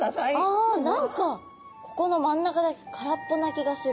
ああ何かここの真ん中だけ空っぽな気がする。